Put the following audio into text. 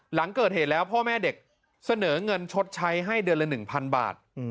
หลังเกิดเหตุแล้วพ่อแม่เด็กเสนอเงินชดใช้ให้เดือนละ๑๐๐บาท